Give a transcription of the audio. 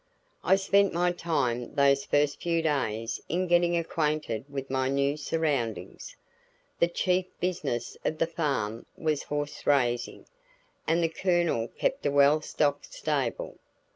I spent my time those first few days in getting acquainted with my new surroundings. The chief business of the farm was horse raising, and the Colonel kept a well stocked stable.